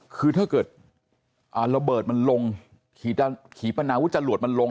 คือถ้าเกิดระเบิดมันลงขีปนาวุจรวดมันลง